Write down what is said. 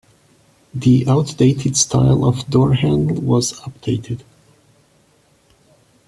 The outdated style of door handle was updated.